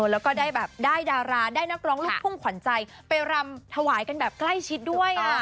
แล้วก็ได้แบบได้ดาราได้นักร้องลูกทุ่งขวัญใจไปรำถวายกันแบบใกล้ชิดด้วย